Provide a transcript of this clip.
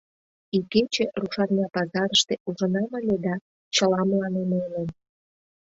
Икече рушарня пазарыште ужынам ыле да, чыла мыланем ойлен...